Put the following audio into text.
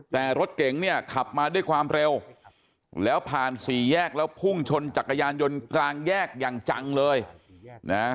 แต่รถเก๋งเนี่ยขับมาด้วยความเร็วแล้วผ่านสี่แยกแล้วพุ่งชนจักรยานยนต์กลางแยกอย่างจังเลยนะ